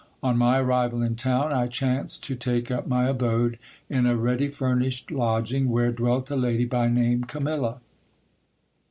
On my arrival in town, I chanced to take up my abode in a ready furnished lodging, where dwelt a lady, by name Camilla.